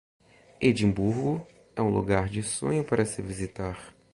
Edimburgo é um lugar de sonho para se visitar.